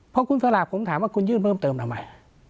พอคุณสลากผมถามว่าคุณยื่นเพิ่มเติมทำไม